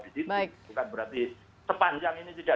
bukan berarti sepanjang ini tidak